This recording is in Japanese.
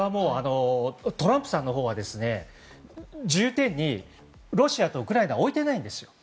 トランプさんのほうは重点にロシアとウクライナを置いてないんですよ。